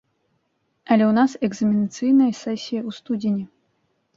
Але ў нас экзаменацыйная сесія ў студзені.